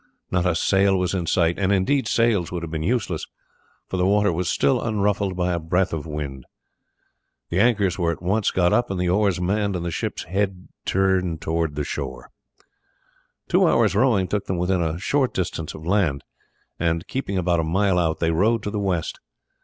Not a sail was in sight, and indeed sails would have been useless, for the water was still unruffled by a breath of wind. The anchors were at once got up and the oars manned, and the ship's head turned towards shore. Two hours' rowing took them within a short distance of land, and keeping about a mile out they rowed to the west.